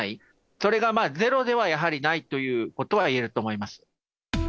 それがゼロではやはりないということはいえると思います。